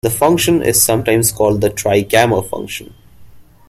The function is sometimes called the trigamma function.